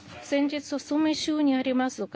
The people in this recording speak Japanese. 先日、ある州にあります